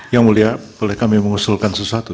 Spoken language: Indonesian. yang mulia boleh kami mengusulkan sesuatu